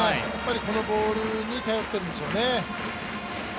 このボールに頼っているんでしょうね。